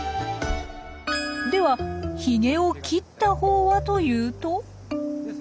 ではヒゲを切ったほうはというと？